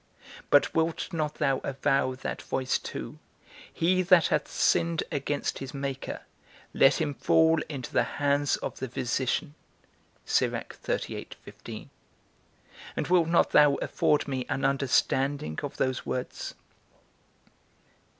But wilt not thou avow that voice too, He that hath sinned against his Maker, let him fall into the hands of the physician; and wilt not thou afford me an understanding of those words?